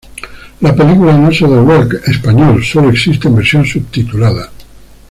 La película no se dobló al español, solo existe en versión subtitulada.